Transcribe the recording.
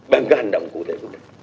bằng cái hành động cụ thể của chúng ta